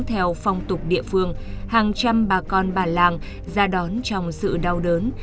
theo phong tục địa phương hàng trăm bà con bà làng ra đón trong sự đau đớn